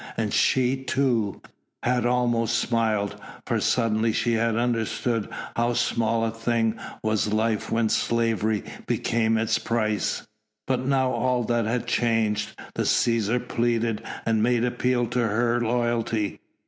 And she, too, had almost smiled, for suddenly she had understood how small a thing was life when slavery became its price. But now all that had changed. The Cæsar pleaded and made appeal to her loyalty.